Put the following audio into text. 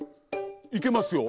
いけますよ。